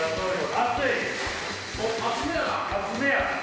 熱めや！